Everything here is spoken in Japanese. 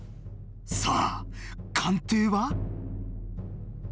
さあ鑑定は？